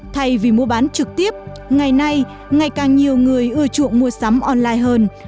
thay vì mua bán trực tiếp ngày nay ngày càng nhiều người ưa chuộng mua sắm online hơn